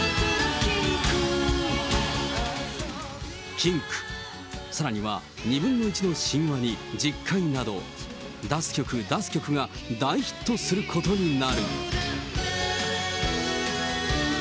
禁区、さらには２分の１の神話に十戒など、出す曲出す曲が大ヒットすることになる。